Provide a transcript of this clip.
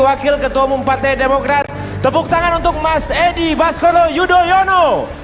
wakil ketua umum partai demokrat tepuk tangan untuk mas edi baskolo yudhoyono